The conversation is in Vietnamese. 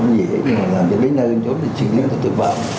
nhưng mà làm cho bấy nơi nơi chỗ thì chỉ nhớ là tội phạm